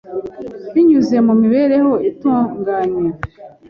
Binyuze mu mibereho itunganye